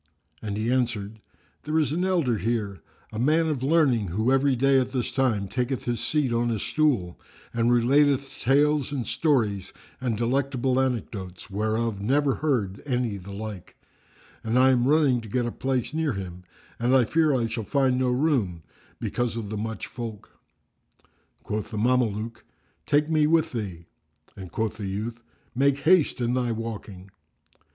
And he answered, "There is an elder here, a man of learning, who every day at this time taketh his seat on a stool[FN#350] and relateth tales and stories and delectable anecdotes, whereof never heard any the like; and I am running to get me a place near him and fear I shall find no room, because of the much folk." Quoth the Mameluke, "Take me with thee;" and quoth the youth, "Make haste in thy walking."